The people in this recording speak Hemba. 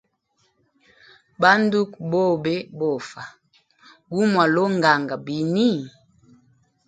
Ba nduku bobe bofa gumwalonganga bini.